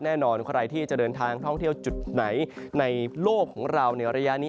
แน่นอนใครที่จะเดินทางท่องเที่ยวจุดไหนในโลกของเราในระยะนี้